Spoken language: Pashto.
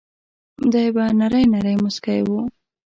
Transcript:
دای به نری نری مسکی و.